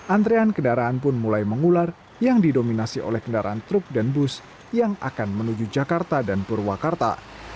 antrean kendaraan pun mulai mengular yang didominasi oleh kendaraan truk dan bus yang akan menuju jakarta dan purwakarta